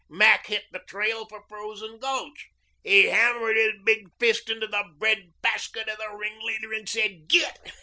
Mac hit the trail for Frozen Gulch. He hammered his big fist into the bread basket of the ringleader and said, 'Git!'